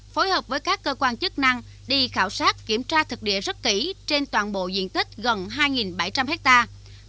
phối hợp với các cơ quan chức năng đi khảo sát kiểm tra thực địa rất kỹ trên toàn bộ diện tích gần hai bảy trăm linh hectare